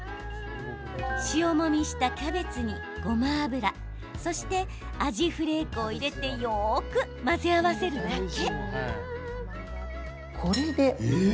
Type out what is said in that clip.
塩もみしたキャベツに、ごま油そしてアジフレークを入れてよく混ぜ合わせるだけ。